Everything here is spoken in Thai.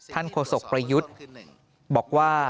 ท่านโคศกประยุทธ์บอกว่า